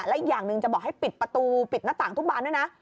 และอีกอย่างหนึ่งจะบอกให้ปิดประตูปิดหน้าต่างทุกบานด้วยนะ